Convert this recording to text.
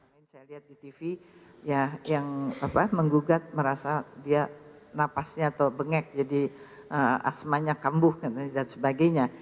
mungkin saya lihat di tv yang menggugat merasa dia napasnya atau bengek jadi asmanya kambuh dan sebagainya